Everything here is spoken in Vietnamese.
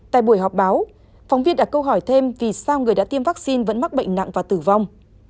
tại buổi họp báo phóng viên đặt câu hỏi thêm vì sao người đã tiêm vaccine vẫn mắc bệnh nặng và tử vong